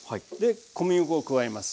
小麦粉を加えます。